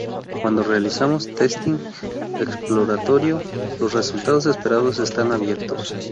Cuando realizamos testing exploratorio, los resultados esperados están abiertos.